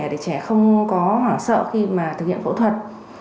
để trẻ không có hoảng sợ khi mà thực hiện phẫu thuật